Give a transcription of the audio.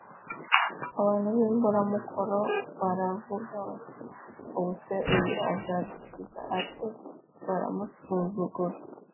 abantu b imburamumaro r baravuga bati ubu se uyu azadukiza ate s Baramusuzugura